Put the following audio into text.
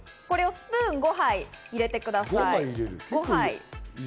スプーン５杯入れてください。